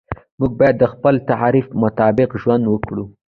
موږ باید د خپل تعریف مطابق ژوند وکړو.